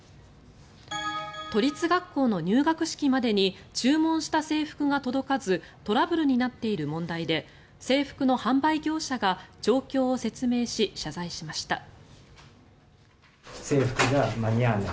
都立学校の入学式までに注文した制服が届かずトラブルになっている問題で制服の販売業者が状況を説明し謝罪しました。